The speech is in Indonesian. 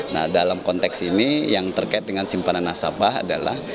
nah dalam konteks ini yang terkait dengan simpanan nasabah adalah